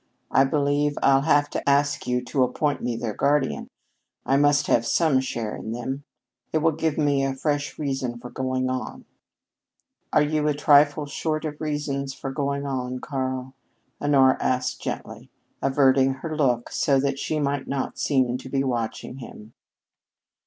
I believe I'll have to ask you to appoint me their guardian. I must have some share in them. It will give me a fresh reason for going on." "Are you a trifle short of reasons for going on, Karl?" Honora asked gently, averting her look so that she might not seem to be watching him.